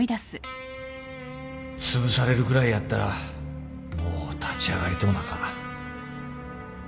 つぶされるぐらいやったらもう立ち上がりとうなか